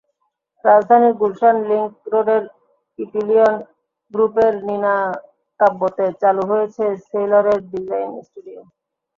রাজধানীর গুলশান লিংক রোডের ইপিলিয়ন গ্রুপের নিনাকাব্যতে চালু হয়েছে সেইলরের ডিজাইন স্টুডিও।